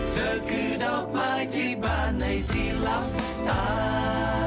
เธอคือดอกไม้ที่บ้านในที่หลับตา